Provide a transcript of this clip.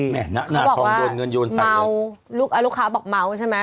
แหม่น้าทองโดนเงินโยนใสเลยเค้าบอกว่าเมาลูกคร้าวบอกเมาใช่ไหม